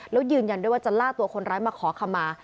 แล้วยืนยันด้วยว่าจะล่าตัวคนร้ายมาขอคำมา